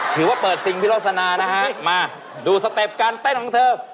ถือว่าเปิดซิงพิโรสนานะฮะมาดูสเต็ปการเต้นของเธอ